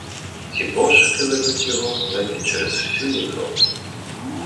Ці пошуки ведуть його ледь не через усю Європу.